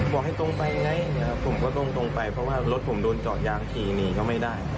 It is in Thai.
บอกให้ตรงไปไงผมก็ตรงไปเพราะว่ารถผมโดนเจาะยางขี่หนีก็ไม่ได้